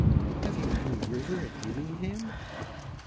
"Have you any river at Beamingham?"